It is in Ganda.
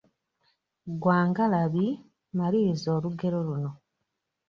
Gwa ngalabi, maliriza olugero luno.